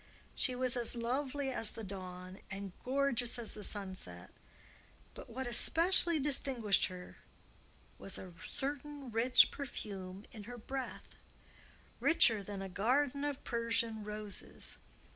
She was as lovely as the dawn and gorgeous as the sunset; but what especially distinguished her was a certain rich perfume in her breath—richer than a garden of Persian roses.